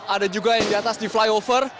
ada juga yang di atas di flyover